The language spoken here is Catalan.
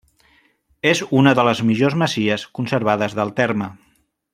És una de les millors masies conservades del terme.